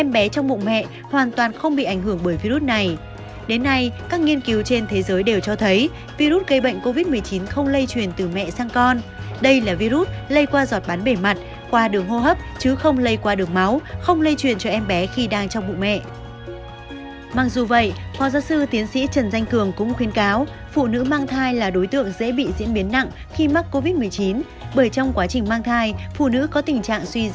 bởi trong quá trình mang thai phụ nữ có tình trạng suy giảm miễn dịch nhất định